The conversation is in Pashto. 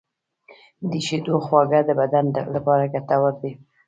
د شیدو خواږه د بدن لپاره ګټور دي.